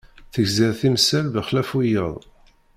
Tegziḍ timsal bexlaf wiyaḍ.